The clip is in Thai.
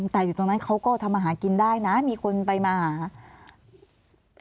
แต่อยู่ตรงนั้นเขาก็ทำอาหารกินได้นะมีคนไปมาหา